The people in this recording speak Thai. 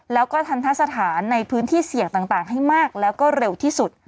แล้วก็ทันทะสถานในพื้นที่เสี่ยงต่างให้มากแล้วก็เร็วที่สุด